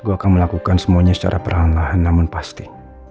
gue akan melakukan semuanya secara perlahan lahan namun pasti